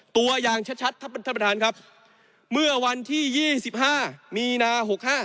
ตัวอย่างชัดท่านประธานครับเมื่อวันที่๒๕มีนา๖๕